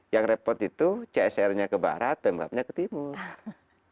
yang repot itu csr nya ke barat pemkapnya ke timur